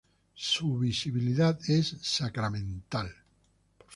Su visibilidad es sacramental.